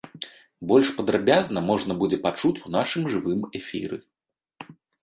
Больш падрабязна можна будзе пачуць у нашым жывым эфіры.